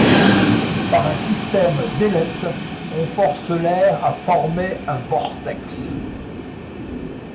Par un système d'ailette, on force l'air à former un vortex.